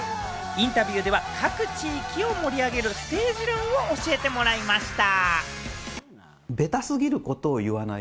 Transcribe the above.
インタビューでは各地域を盛り上げるステージ論を教えてもらいました。